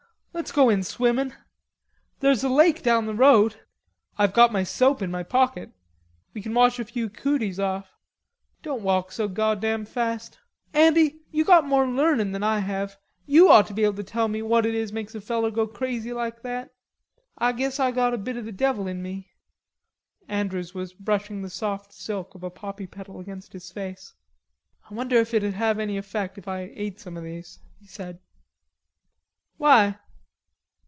let's go in swimmin'. There's a lake down the road." "I've got my soap in my pocket. We can wash a few cooties off." "Don't walk so goddam fast...Andy, you got more learnin' than I have. You ought to be able to tell what it is makes a feller go crazy like that.... Ah guess Ah got a bit o' the devil in me." Andrews was brushing the soft silk of a poppy petal against his face. "I wonder if it'ld have any effect if I ate some of these," he said. "Why?"